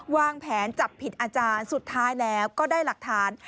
วางแผนจับผิดอาจารย์สุดท้ายแล้วก็ได้หลักฐาน